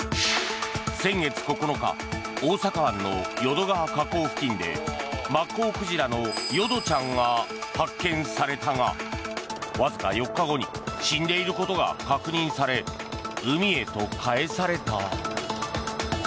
先月９日大阪湾の淀川河口付近でマッコウクジラの淀ちゃんが発見されたがわずか４日後に死んでいることが確認され海へと帰された。